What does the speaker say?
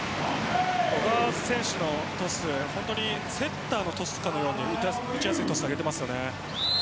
小川選手のトスセッターのトスかのように打ちやすいトスを上げています。